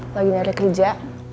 lagi nyari kerja